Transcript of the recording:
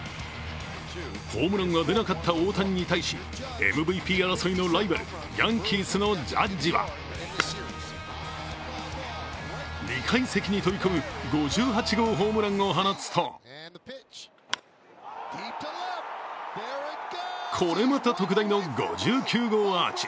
ホームランは出なかった大谷に対しＭＶＰ争いのライバル、ヤンキースのジャッジは２階席に飛び込む５８号ホームランを放つとこれまた特大の５９号アーチ。